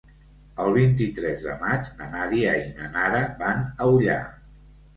El vint-i-tres de maig na Nàdia i na Nara van a Ullà.